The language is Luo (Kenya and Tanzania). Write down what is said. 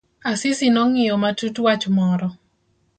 Asisi nong'iyo matut wach moro.